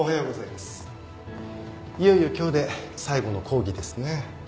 いよいよ今日で最後の講義ですね。